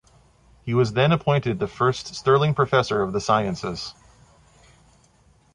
He was then appointed the first Sterling Professor of the Sciences.